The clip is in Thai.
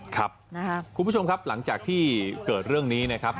ครับนะครับคุณผู้ชมครับหลังจากที่เกิดเรื่องนี้นะครับ